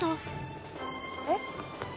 えっ？